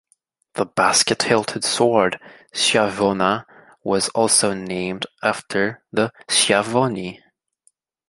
The basket-hilted sword schiavona was also named after the Schiavone.